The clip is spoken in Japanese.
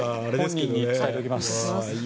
本人に伝えておきます。